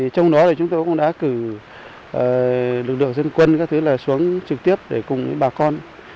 trong đó chúng tôi cũng đã cử lực lượng dân quân các thứ là xuống trực tiếp để cùng với bà con